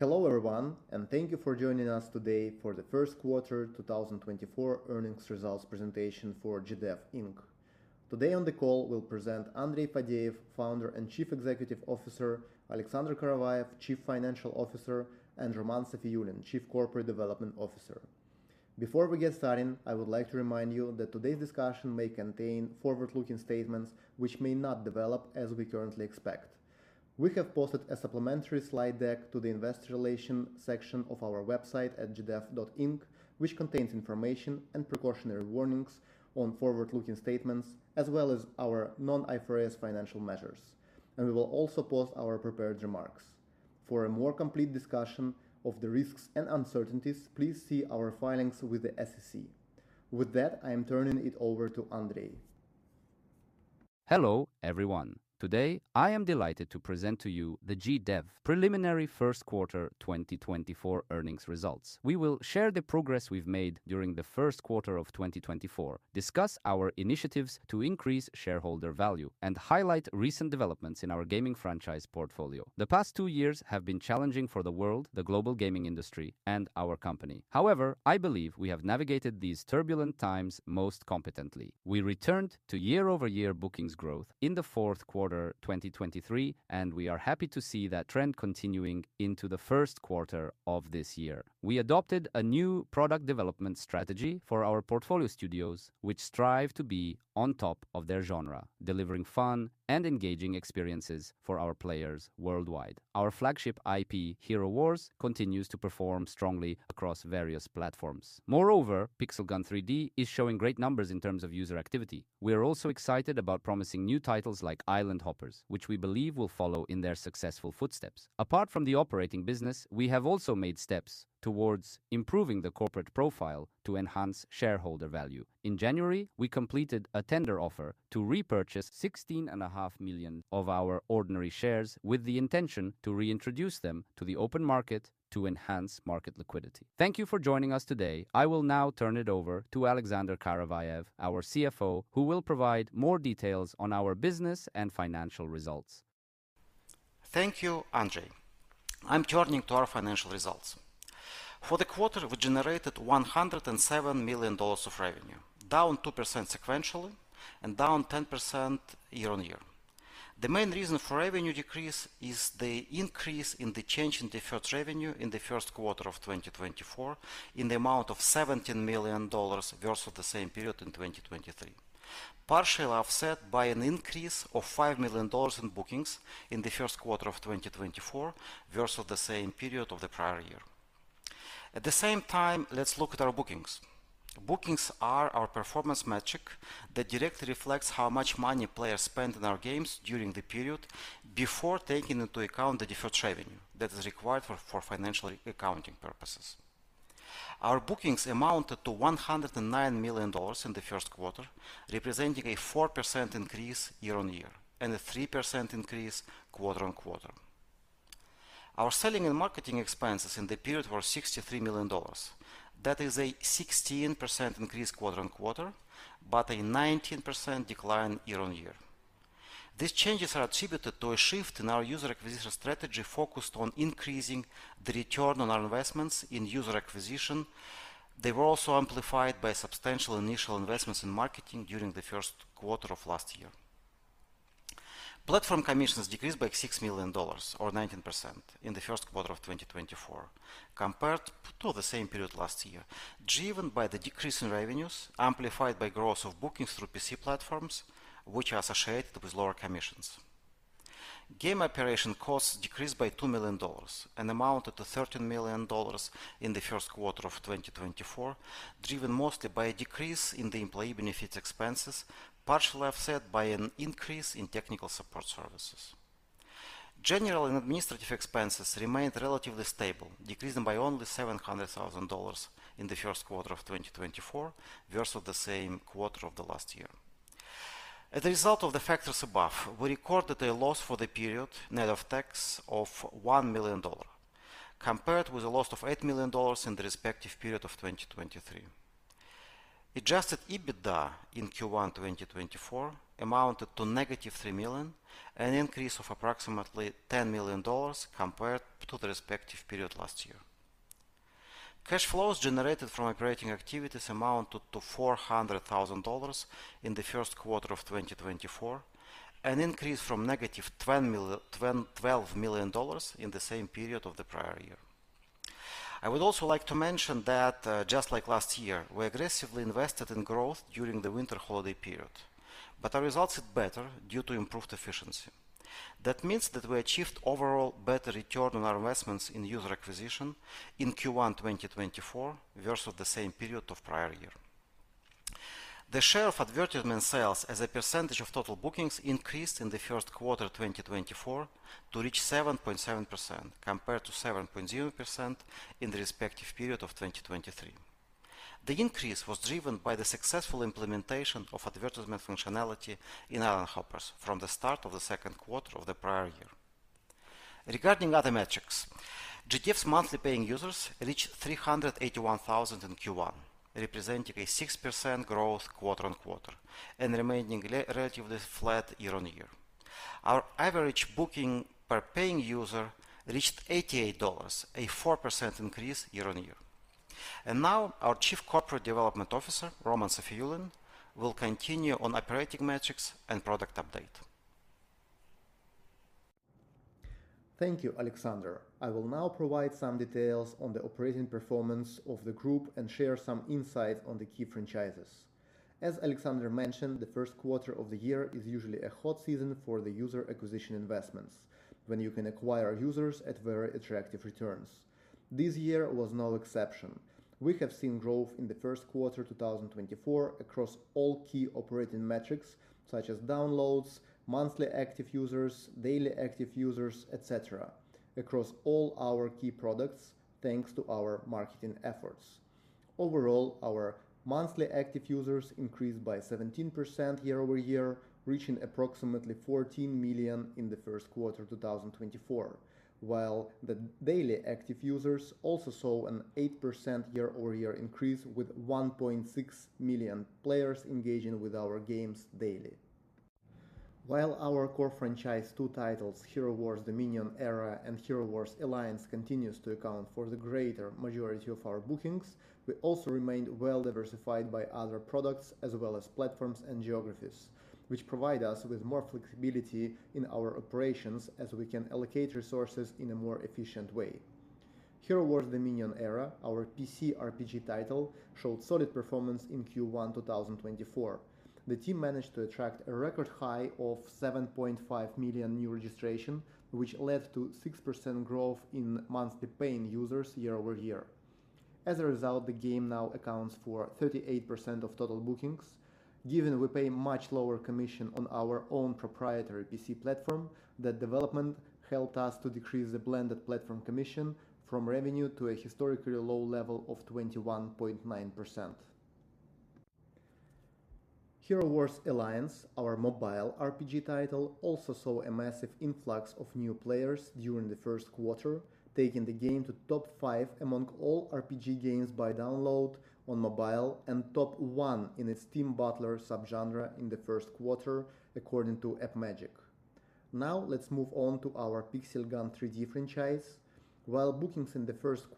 Hello, everyone, and thank you for joining us today for the First Quarter 2024 Earnings Results Presentation for GDEV Inc. Today on the call, we'll present Andrey Fadeev, founder and Chief Executive Officer, Alexander Karavaev, Chief Financial Officer, and Roman Safiyulin, Chief Corporate Development Officer. Before we get started, I would like to remind you that today's discussion may contain forward-looking statements which may not develop as we currently expect. We have posted a supplementary slide deck to the Investor Relations section of our website at gdev.inc, which contains information and precautionary warnings on forward-looking statements, as well as our non-IFRS financial measures, and we will also post our prepared remarks. For a more complete discussion of the risks and uncertainties, please see our filings with the SEC. With that, I am turning it over to Andrey. Hello, everyone. Today, I am delighted to present to you the GDEV preliminary first quarter 2024 earnings results. We will share the progress we've made during the first quarter of 2024, discuss our initiatives to increase shareholder value, and highlight recent developments in our gaming franchise portfolio. The past two years have been challenging for the world, the global gaming industry, and our company. However, I believe we have navigated these turbulent times most competently. We returned to year-over-year bookings growth in the fourth quarter 2023, and we are happy to see that trend continuing into the first quarter of this year. We adopted a new product development strategy for our portfolio studios, which strive to be on top of their genre, delivering fun and engaging experiences for our players worldwide. Our flagship IP, Hero Wars, continues to perform strongly across various platforms. Moreover, Pixel Gun 3D is showing great numbers in terms of user activity. We are also excited about promising new titles like Island Hoppers, which we believe will follow in their successful footsteps. Apart from the operating business, we have also made steps towards improving the corporate profile to enhance shareholder value. In January, we completed a tender offer to repurchase 16.5 million of our ordinary shares with the intention to reintroduce them to the open market to enhance market liquidity. Thank you for joining us today. I will now turn it over to Alexander Karavaev, our CFO, who will provide more details on our business and financial results. Thank you, Andrey. I'm turning to our financial results. For the quarter, we generated $107 million of revenue, down 2% sequentially and down 10% year-on-year. The main reason for revenue decrease is the increase in the change in deferred revenue in the first quarter of 2024, in the amount of $17 million versus the same period in 2023, partially offset by an increase of $5 million in bookings in the first quarter of 2024 versus the same period of the prior year. At the same time, let's look at our bookings. Bookings are our performance metric that directly reflects how much money players spend in our games during the period before taking into account the deferred revenue that is required for financial accounting purposes. Our bookings amounted to $109 million in the first quarter, representing a 4% increase year-on-year and a 3% increase quarter-on-quarter. Our selling and marketing expenses in the period were $63 million. That is a 16% increase quarter-on-quarter, but a 19% decline year-on-year. These changes are attributed to a shift in our user acquisition strategy, focused on increasing the return on our investments in user acquisition. They were also amplified by substantial initial investments in marketing during the first quarter of last year. Platform commissions decreased by $6 million, or 19%, in the first quarter of 2024 compared to the same period last year, driven by the decrease in revenues, amplified by growth of bookings through PC platforms, which are associated with lower commissions. Game operation costs decreased by $2 million and amounted to $13 million in the first quarter of 2024, driven mostly by a decrease in the employee benefits expenses, partially offset by an increase in technical support services. General and administrative expenses remained relatively stable, decreasing by only $700,000 in the first quarter of 2024 versus the same quarter of the last year. As a result of the factors above, we recorded a loss for the period, net of tax, of $1 million, compared with a loss of $8 million in the respective period of 2023. Adjusted EBITDA in Q1 2024 amounted to $-3 million, an increase of approximately $10 million compared to the respective period last year. Cash flows generated from operating activities amounted to $400,000 in the first quarter of 2024, an increase from $-12 million in the same period of the prior year. I would also like to mention that, just like last year, we aggressively invested in growth during the winter holiday period, but our results are better due to improved efficiency. That means that we achieved overall better return on our investments in user acquisition in Q1 2024 versus the same period of prior year. The share of advertisement sales as a percentage of total bookings increased in the first quarter of 2024 to reach 7.7%, compared to 7.0% in the respective period of 2023. The increase was driven by the successful implementation of advertisement functionality in Island Hoppers from the start of the second quarter of the prior year. Regarding other metrics, GDEV's monthly paying users reached 381,000 in Q1, representing a 6% growth quarter-over-quarter and remaining relatively flat year-over-year. Our average booking per paying user reached $88, a 4% increase year-on-year. Now, our Chief Corporate Development Officer, Roman Safiyulin, will continue on operating metrics and product update. Thank you, Alexander. I will now provide some details on the operating performance of the group and share some insight on the key franchises. As Alexander mentioned, the first quarter of the year is usually a hot season for the user acquisition investments, when you can acquire users at very attractive returns. This year was no exception. We have seen growth in the first quarter 2024 across all key operating metrics, such as downloads, monthly active users, daily active users, et cetera, across all our key products, thanks to our marketing efforts. Overall, our monthly active users increased by 17% year-over-year, reaching approximately 14 million in the first quarter 2024, while the daily active users also saw an 8% year-over-year increase, with 1.6 million players engaging with our games daily. While our core franchise two titles, Hero Wars: Dominion Era and Hero Wars: Alliance, continues to account for the greater majority of our bookings, we also remained well diversified by other products, as well as platforms and geographies, which provide us with more flexibility in our operations as we can allocate resources in a more efficient way. Hero Wars: Dominion Era, our PC RPG title, showed solid performance in Q1 2024. The team managed to attract a record high of 7.5 million new registration, which led to 6% growth in monthly paying users year-over-year. As a result, the game now accounts for 38% of total bookings. Given we pay much lower commission on our own proprietary PC platform, that development helped us to decrease the blended platform commission from revenue to a historically low level of 21.9%. Hero Wars: Alliance, our mobile RPG title, also saw a massive influx of new players during the first quarter, taking the game to top 5 among all RPG games by download on mobile and top one in its Team Battler subgenre in the first quarter, according to AppMagic. Now, let's move on to our Pixel Gun 3D franchise. While bookings in the first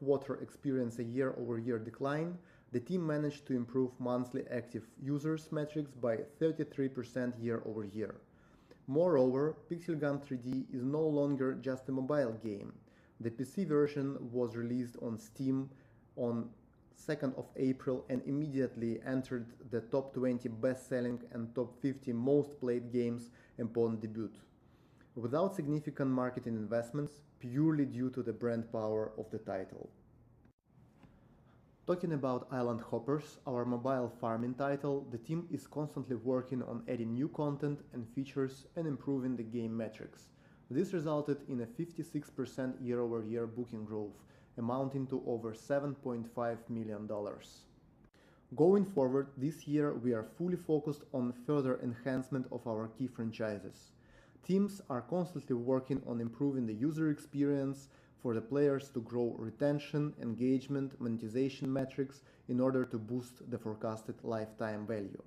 quarter experienced a year-over-year decline, the team managed to improve monthly active users metrics by 33% year-over-year. Moreover, Pixel Gun 3D is no longer just a mobile game. The PC version was released on Steam on second of April and immediately entered the top 20 best-selling and top 50 most-played games upon debut, without significant marketing investments, purely due to the brand power of the title. Talking about Island Hoppers, our mobile farming title, the team is constantly working on adding new content and features and improving the game metrics. This resulted in a 56% year-over-year booking growth, amounting to over $7.5 million. Going forward, this year, we are fully focused on further enhancement of our key franchises. Teams are constantly working on improving the user experience for the players to grow retention, engagement, monetization metrics in order to boost the forecasted lifetime value.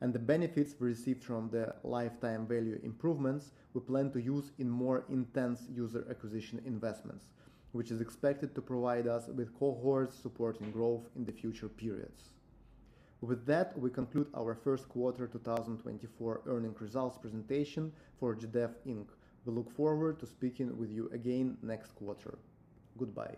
And the benefits we received from the lifetime value improvements, we plan to use in more intense user acquisition investments, which is expected to provide us with cohorts supporting growth in the future periods. With that, we conclude our first quarter 2024 earnings results presentation for GDEV, Inc. We look forward to speaking with you again next quarter. Goodbye!